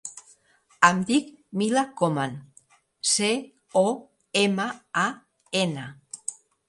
Em dic Mila Coman: ce, o, ema, a, ena.